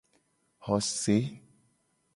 Xose.